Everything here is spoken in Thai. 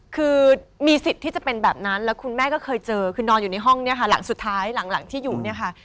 คือมีสิทธิ์ที่จะเป็นแบบนั้นแล้วคุณแม่ก็เคยเจอคือนอนอยู่ในห้องเนี่ยค่ะหลังสุดท้ายหลังที่อยู่เนี่ยค่ะ